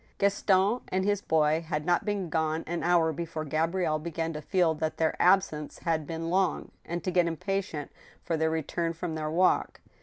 Gaston and his boy had not been gone an hour before Gabrielle began to feel that their absence had been long, and to get impatient for their return from their walk.